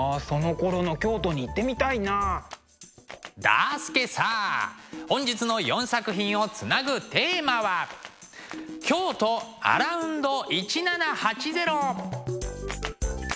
だすけさ本日の４作品をつなぐテーマは「京都アラウンド１７８０」！